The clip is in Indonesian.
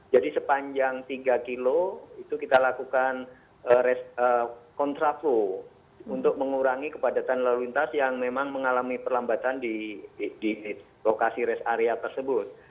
jadi sepanjang tiga kilo itu kita lakukan kontra flow untuk mengurangi kepadatan lalu lintas yang memang mengalami perlambatan di lokasi rest area tersebut